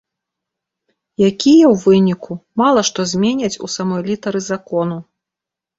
Якія, у выніку, мала што зменяць у самой літары закону.